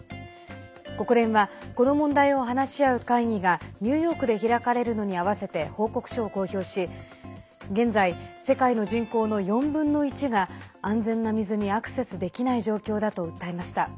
国連はこの問題を話し合う会議がニューヨークで開かれるのに合わせて報告書を公表し現在、世界の人口の４分の１が安全な水にアクセスできない状況だと訴えました。